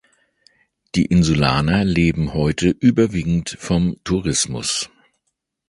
Die Insulaner leben heute überwiegend vom Tourismus.